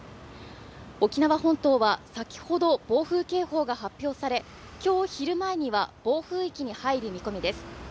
沖縄本島は先ほど、暴風警報が発表され、今日昼前には、暴風域に入る見込みです。